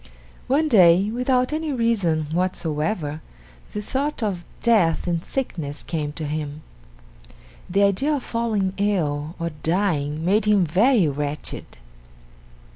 One day, without any reason whatsoever, the thought of death and sickness came to him. The idea of falling ill or dying made him very wretched.